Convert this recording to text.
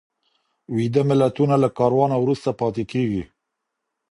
ویده ملتونه له کاروانه وروسته پاته کېږي.